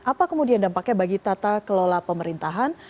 apa kemudian dampaknya bagi tata kelola pemerintahan